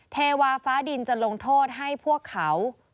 เทวาฟ้าดินจะลงโทษให้พวกเขา